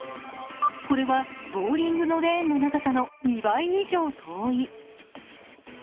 これはボウリングのレーンの長さの２倍以上遠い。